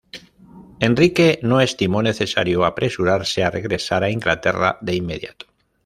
Enrique no estimó necesario apresurarse a regresar a Inglaterra de inmediato.